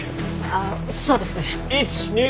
ああそうですね。